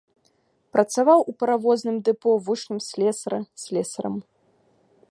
Працаваў у паравозным дэпо вучнем слесара, слесарам.